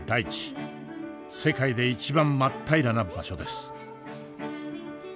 世界で一番真っ平らな場所です。